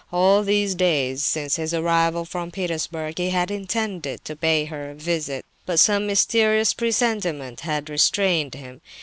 All these days since his arrival from Petersburg he had intended to pay her a visit, but some mysterious presentiment had restrained him.